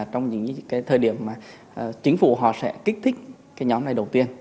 trong những thời điểm mà chính phủ họ sẽ kích thích cái nhóm này đầu tiên